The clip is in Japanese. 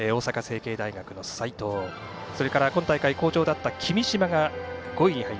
大阪成蹊大学の齋藤そして今大会、好調だった君嶋が５位。